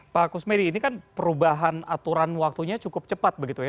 pak kusmedi ini kan perubahan aturan waktunya cukup cepat begitu ya